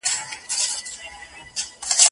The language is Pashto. نو مو لاس وي له وحشيی نړۍ پرېولی